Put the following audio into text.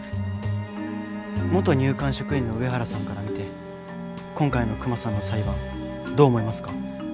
元入管職員の上原さんから見て今回のクマさんの裁判どう思いますか？